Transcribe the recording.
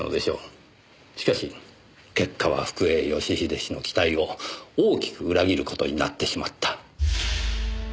しかし結果は福栄義英氏の期待を大きく裏切る事になってしまった。